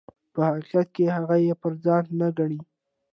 په حقیقت کې هغه یې پر ځان نه ګڼي.